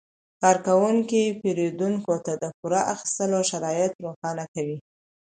کارکوونکي پیرودونکو ته د پور اخیستلو شرایط روښانه کوي.